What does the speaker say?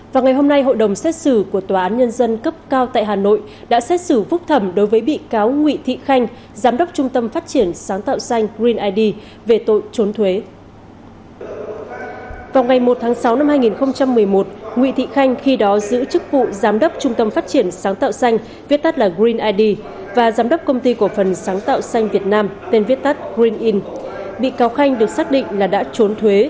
vào ngày hôm nay hội đồng xét xử của tòa án nhân dân cấp cao tại hà nội đã xét xử phúc thẩm đối với bị cáo nguyễn thị khanh giám đốc trung tâm phát triển sáng tạo xanh green id về tội trốn thuế